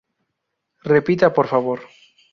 Repita, por favor.